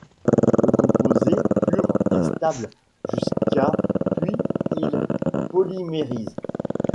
Le composé pur est stable jusqu'à puis il polymérise.